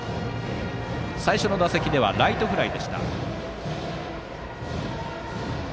最初の打席ではライトフライ。